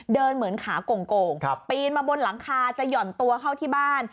เหมือนขาโก่งปีนมาบนหลังคาจะหย่อนตัวเข้าที่บ้าน